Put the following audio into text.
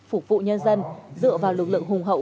phục vụ nhân dân dựa vào lực lượng hùng hậu